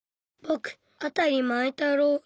ぼくあたりまえたろう。